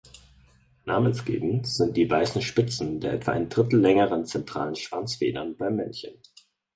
Namensgebend sind die weißen Spitzen der etwa ein Drittel längeren zentralen Schwanzfedern beim Männchen.